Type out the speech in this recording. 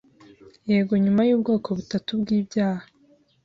Yego nyuma yubwoko butatu bwibyaha